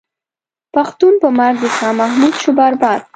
پښتون په مرګ د شاه محمود شو برباد.